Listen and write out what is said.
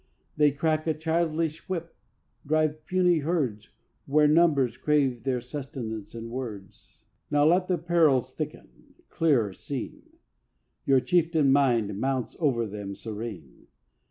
They crack a childish whip, drive puny herds, Where numbers crave their sustenance in words. Now let the perils thicken: clearer seen, Your Chieftain Mind mounts over them serene.